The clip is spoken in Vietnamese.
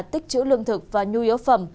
tích chữ lương thực và nhu yếu phẩm